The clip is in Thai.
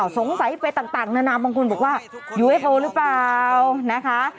สงสัยไปต่างนานาบางคนบอกว่ายูเอฟโอหรือเปล่านะคะ